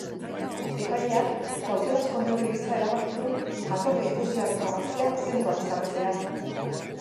Epaileak kautelazko neurri gisa erabaki du jatorri errusiarreko gaztea zentroan sartzea.